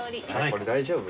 これ大丈夫？